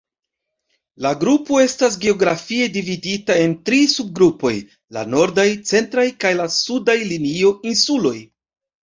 La grupo estas geografie dividita en tri subgrupoj; La Nordaj, Centraj, kaj Sudaj Linio-Insuloj.